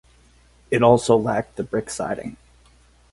It also lacked the brick siding.